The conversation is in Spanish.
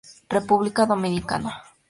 República Dominicana